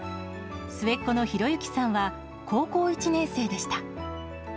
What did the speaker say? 末っ子の博行さんは高校１年生でした。